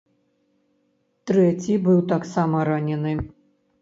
Трэці быў таксама ранены.